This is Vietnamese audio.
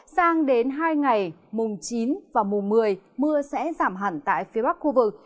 sang đến hai ngày mùng chín và mùng một mươi mưa sẽ giảm hẳn tại phía bắc khu vực